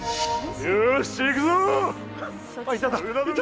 よーし、行くぞ！